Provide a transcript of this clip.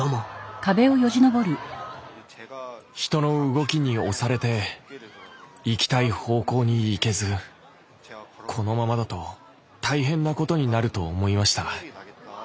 人の動きに押されて行きたい方向に行けずこのままだと大変なことになると思いました。